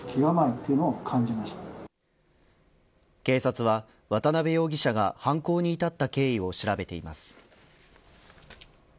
警察は渡辺容疑者が犯行に至った経緯を調べています。